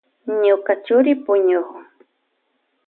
Ñuka churi puñukun.